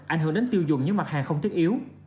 ảnh hưởng đến tiêu dùng những mặt hàng không thiết yếu